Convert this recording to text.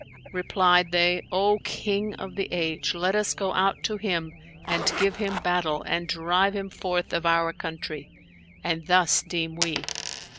Replied they, 'O King of the age, let us go out to him and give him battle and drive him forth of our country; and thus deem we.'